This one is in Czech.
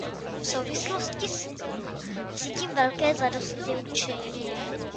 V souvislosti s tím cítím velké zadostiučinění.